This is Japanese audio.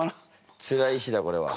つらい詩だこれは。